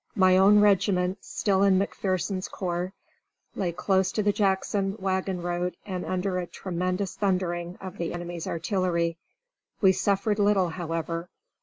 My own regiment, still in McPherson's corps, lay close to the Jackson wagon road and under a tremendous thundering of the enemy's artillery. We suffered little, however.